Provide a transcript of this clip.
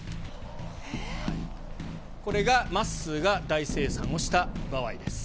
これがまっすーが大精算をした場合です。